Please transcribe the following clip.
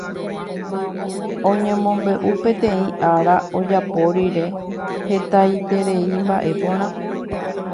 Oñemombe'u peteĩ ára ojapo rire hetaiterei mba'e porã